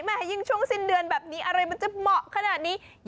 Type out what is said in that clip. ยิ่งช่วงสิ้นเดือนแบบนี้อะไรมันจะเหมาะขนาดนี้